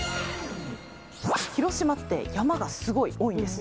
広島って山がすごい多いんです。